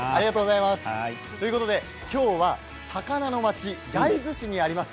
今日は魚の町焼津市にあります